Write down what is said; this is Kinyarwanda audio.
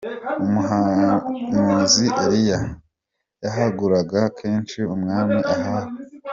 Umuhanuzi Eliya yahuguraga kenshi umwami Ahabu.